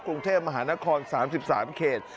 กรุงเทพมหานคร๓๓เขต